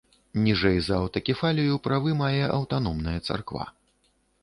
Ніжэй за аўтакефалію правы мае аўтаномная царква.